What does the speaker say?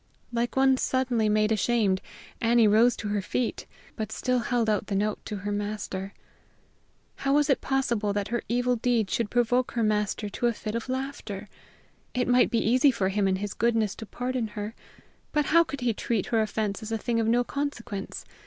Like one suddenly made ashamed, Annie rose to her feet, but still held out the note to her master. How was it possible that her evil deed should provoke her master to a fit of laughter? It might be easy for him in his goodness to pardon her, but how could he treat her offense as a thing of no consequence?